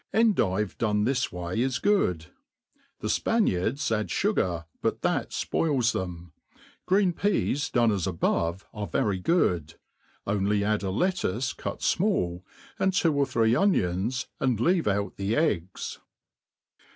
Endtve done this way is good ; the Spaniards add fogar, but} that fpoils them. Green peas done as ab6ve are rery geod i only add a lettuce cut fmall, and tvro or three onions, and leave out the eggs.